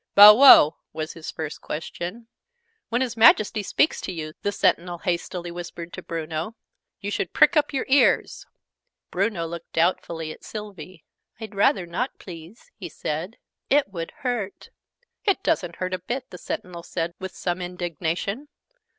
"Bow wow?" was his first question. "When His Majesty speaks to you," the Sentinel hastily whispered to Bruno, "you should prick up your ears!" Bruno looked doubtfully at Sylvie. "I'd rather not, please," he said. "It would hurt." {Image...The dog king} "It doesn't hurt a bit!" the Sentinel said with some indignation.